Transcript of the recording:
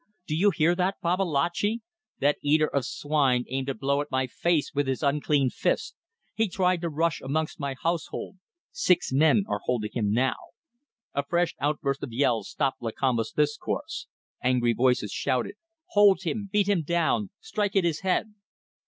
"Do you hear that, Babalatchi? That eater of swine aimed a blow at my face with his unclean fist. He tried to rush amongst my household. Six men are holding him now." A fresh outburst of yells stopped Lakamba's discourse. Angry voices shouted: "Hold him. Beat him down. Strike at his head."